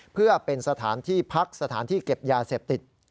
เพื่อเป็นสถานที่พักสถานที่เก็บยาเสพติด